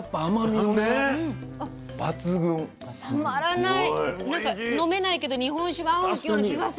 なんか飲めないけど日本酒が合うような気がする。